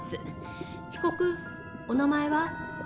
被告お名前は？